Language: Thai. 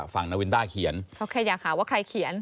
นาวินต้าเขียนเขาแค่อยากหาว่าใครเขียน